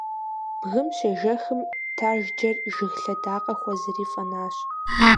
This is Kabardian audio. Бгым щежэхым, тажьджэр жыг лъэдакъэ хуэзэри фӀэнащ.